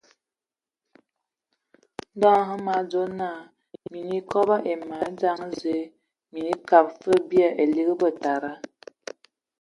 Ndɔ hm me adzo naa mii kobo ai madzaŋ Zǝə, mii kad fǝg bia elig betada.